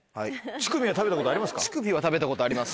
チュクミは食べたことあります。